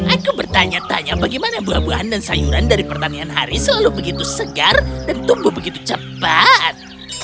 aku bertanya tanya bagaimana buah buahan dan sayuran dari pertanian hari selalu begitu segar dan tumbuh begitu cepat